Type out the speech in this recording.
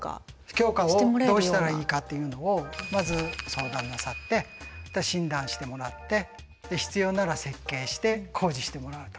強化をどうしたらいいかっていうのをまずご相談なさって診断してもらって必要なら設計して工事してもらうと。